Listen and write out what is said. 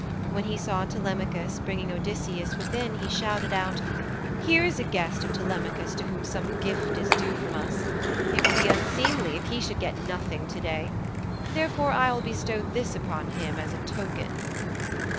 When he saw Telemachus bringing Odysseus within he shouted out, 'Here is a guest of Telemachus to whom some gift is due from us. It will be unseemly if he should get nothing to day. Therefore I will bestow this upon him as a token.'